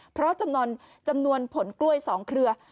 เพราะจำนวนผลกล้วย๒เครือ